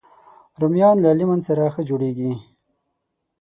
رومیان له لیمن سره ښه جوړېږي